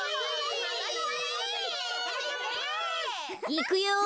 いくよ。